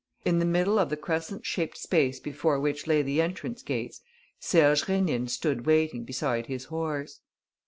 In the middle of the crescent shaped space before which lay the entrance gates, Serge Rénine stood waiting beside his horse.